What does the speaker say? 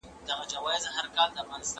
زه به سبا سينه سپين کوم!